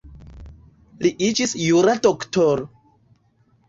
Li iĝis jura doktoro.